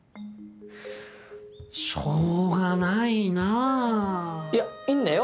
しょうがないなぁ。いやいいんだよ